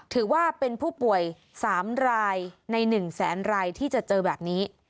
ถือว่าเป็นผู้ป่วย๓รายใน๑แสนรายที่จะเจอแบบนี้